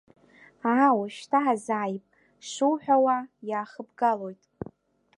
Аа, уажәшьҭа ҳазааип шуҳәауа, иаахыбгалоит.